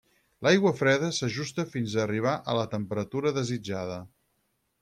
L'aigua freda s'ajusta fins a arribar a la temperatura desitjada.